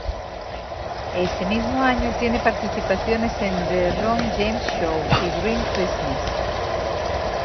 Ese mismo año tiene participaciones en "The Ron James Show" y "Green Christmas".